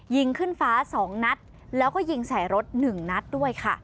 ยิงขึ้นฟ้า๒นัดแล้วก็ยิงใส่รถ๑นัดด้วยค่ะ